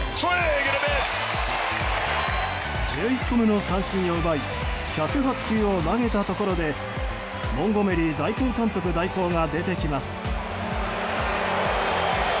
１１個目の三振を奪い１０８球を投げたところでモンゴメリー代行監督代行が出てきます。